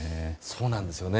そうなんですよね。